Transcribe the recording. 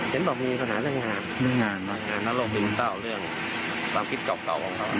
เขาบอกว่ามีปัญหาเรื่องงานแล้วโรคซึมเศร้าเรื่องความคิดเก่าของเขา